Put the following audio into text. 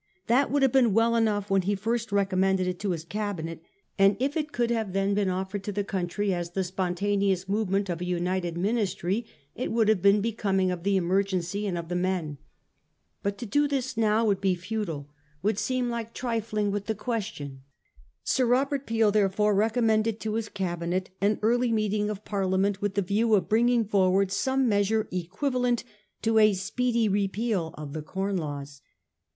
That would have been well enough when he first recom mended it to his Cabinet ; and if it could then have been offered to the country as the spontaneous move ment of a united Ministry, it would have been be coming of the emergency and of the men. But to do this now would be futile ; would seem like tr ifling 366 A HISTORY OF OUR OWN TIMES. on. xv. with the question. Sir Robert Peel therefore recom mended to his Cabinet an early meeting of Parliament with the view of bringing forward some measure equivalent to a speedy Repeal of the Corn Laws.